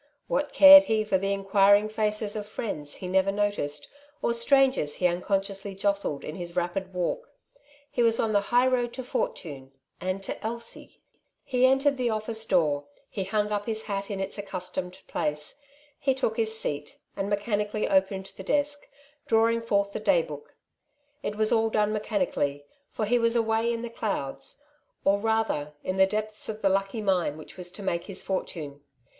What cared he for the inquiring faces of friends he never noticed, or strangers he unconsciously jostled in his rapid walk ! He was on the high road to fortune and to Elsie ! A Prize in the Lottery, 97 He entered the office door; he hung up his hat in its accustomed place ; he took his seat, and mechanically opened the desk, drawing forth the day book. It was all done mechanically, for he was away in the clouds, or rather in the depths of the lucky mine which was to make his fortune.